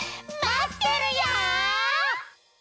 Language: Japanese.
まってるよ！